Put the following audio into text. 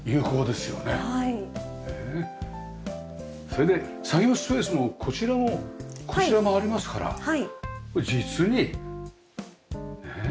それで作業スペースもこちらもこちらもありますから実にねえ。